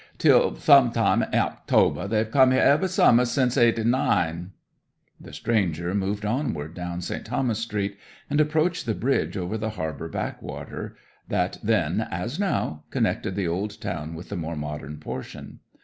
'"Till some time in October. They've come here every summer since eighty nine." 'The stranger moved onward down St. Thomas Street, and approached the bridge over the harbour backwater, that then, as now, connected the old town with the more modern portion.